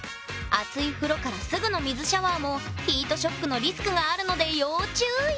「熱い風呂」からすぐの「水シャワー」もヒートショックのリスクがあるので要注意！